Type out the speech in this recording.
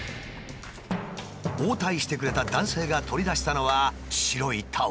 応対してくれた男性が取り出したのは白いタオル。